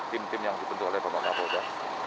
tim tim yang dibentuk oleh pak mbak polda